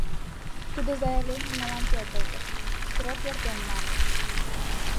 Тудо заявленийым мылам пӧртылтышт — срок эртен, маныт».